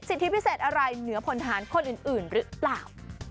ทิตพิเศษอะไรเหนือพลฐานคนอื่นหรือเปล่า